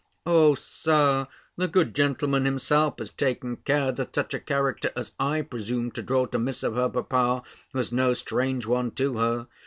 "O, Sir! the good gentleman himself has taken care, that such a character as I presumed to draw to Miss of her papa, was no strange one to her.